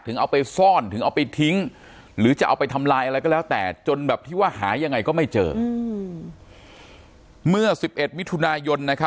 ถึงเอาไปซ่อนถึงเอาไปทิ้งหรือจะเอาไปทำลายอะไรก็แล้วแต่